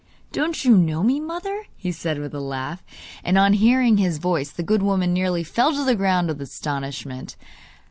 'Don't you know me, mother?' he said with a laugh. And on hearing his voice the good woman nearly fell to the ground with astonishment.